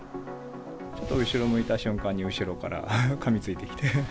ちょっと後ろ向いた瞬間に、後ろからかみついてきて。